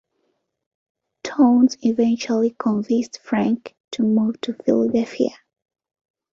Townes eventually convinced Frank to move to Philadelphia.